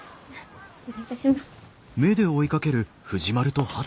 失礼いたします。